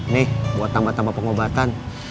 nih buat tambah tambah pengobatan